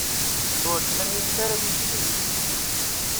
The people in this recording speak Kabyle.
Ur ttɣimimt ara yid-sen.